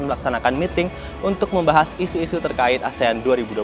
dan memaksanakan meeting untuk membahas isu isu terkait asean dua ribu dua puluh tiga